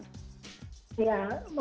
ya mempengaruhi hubungan dengan pan